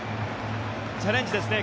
チャレンジですね。